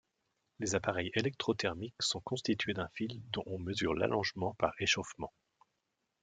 Les appareils électrothermiques sont constitués d'un fil dont on mesure l'allongement par échauffement.